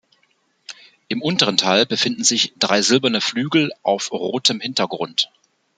Im unteren Teil befinden sich drei silberne Flügel auf rotem Hintergrund.